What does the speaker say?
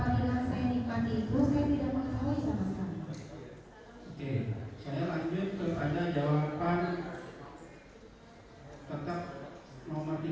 adik saya bersama saudara dedy